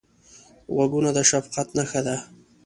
غوږونه د شفقت نښه ده